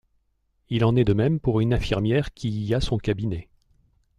Il en est de même pour une infirmière qui y a son cabinet.